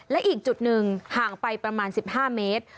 และอีกจุดหนึ่งห่างไปประมาณ๑๕เมตร